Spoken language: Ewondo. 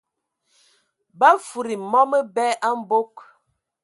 Ba fufudi mɔ məbɛ a mbog.